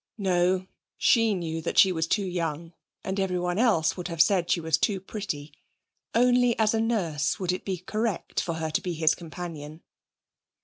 No, she knew that she was too young, and everyone else would have said she was too pretty. Only as a nurse would it be correct for her to be his companion.